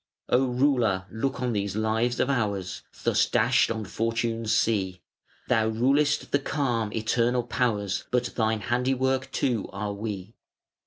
Oh Ruler! look on these lives of ours, Thus dashed on Fortune's sea. Thou rulest the calm eternal Powers, But thine handiwork, too, are we.